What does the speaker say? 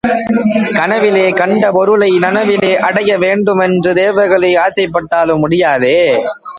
கனவிலே கண்ட பொருளை நனவிலே அடைய வேண்டும் என்று தேவர்களே ஆசைப்பட்டாலும் முடியாதே!